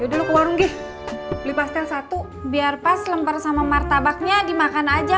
yuk warung g pastel satu biar pas lempar sama martabak nya dimakan aja